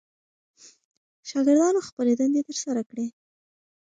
شاګردانو خپلې دندې ترسره کړې.